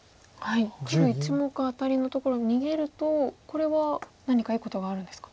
黒１目アタリのところ逃げるとこれは何かいいことがあるんですか。